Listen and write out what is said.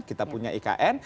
kita punya ikn